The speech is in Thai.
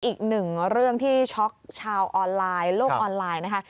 อีกหนึ่งเรื่องที่ช็อกชาวออนไลน์โลกออนไลน์นะคะ